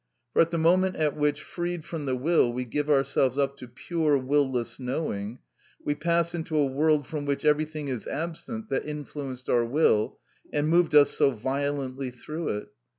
For at the moment at which, freed from the will, we give ourselves up to pure will less knowing, we pass into a world from which everything is absent that influenced our will and moved us so violently through it.